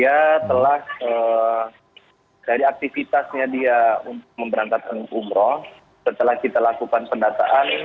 dia telah dari aktivitasnya dia untuk memberangkatkan umroh setelah kita lakukan pendataan